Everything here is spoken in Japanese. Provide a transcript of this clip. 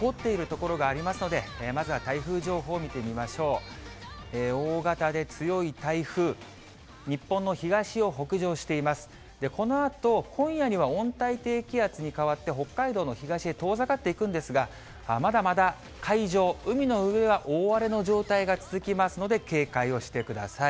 このあと、今夜には温帯低気圧に変わって北海道の東へ遠ざかっていくんですが、まだまだ海上、海の上は大荒れの状態が続きますので、警戒をしてください。